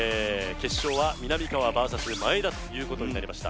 決勝はみなみかわｖｓ真栄田ということになりました